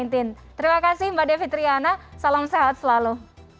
terima kasih mbak devi triana salam sehat selalu